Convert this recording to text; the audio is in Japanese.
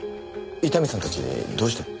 伊丹さんたちどうして？